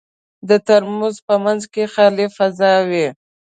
د ترموز په منځ کې خالي فضا وي.